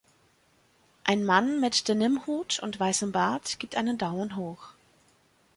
Ein Mann mit Denimhut und weißem Bart gibt einen Daumen hoch